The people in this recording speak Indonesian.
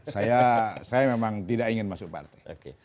saya memang tidak ingin masuk partai